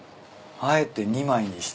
あえて２枚にして。